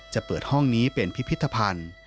จะเปิดห้องนี้เป็นพิพิธภัณฑ์